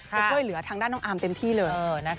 ช่วยเหลือทางด้านน้องอาร์มเต็มที่เลย